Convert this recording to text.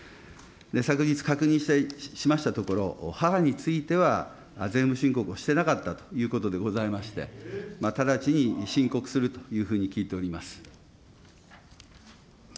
昨日、確認しましたところ、母については税務申告をしていなかったということでございまして、直ちに申告するというふうに聞いております。